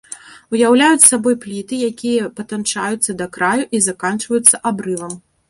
Уяўляюць сабой пліты, якія патанчаюцца да краю і заканчваюцца абрывам.